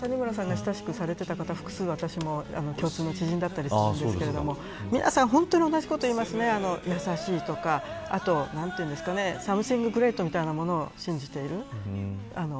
たまたま谷村さんが親しくされていた方共通の知人だったりするんですけど皆さん、本当に同じことを言いますね、優しいとかあとサムシンググレートみたいなものを信じている。